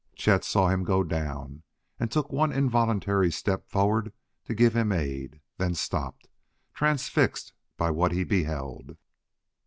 Chet saw him go down and took one involuntary step forward to give him aid then stopped, transfixed by what he beheld.